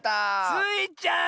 スイちゃん！